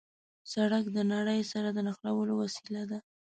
سړک د نړۍ سره د نښلولو وسیله ده.